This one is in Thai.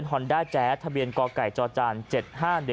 โอ้โหออกมาจากการไปซื้อของเห็นอย่างนี้ก็ตกใจสิครับ